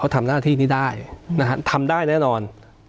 เขาทำหน้าที่นี้ได้ทำได้แน่นอน